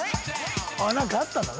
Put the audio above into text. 何かあったんだね